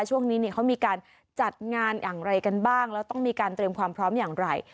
ช่วงนี้เขามีการจัดงานอย่างไรกันบ้างแล้วต้องมีการเตรียมความพร้อมอย่างไร